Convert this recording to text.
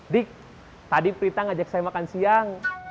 dik tadi prita ngajak saya makan siang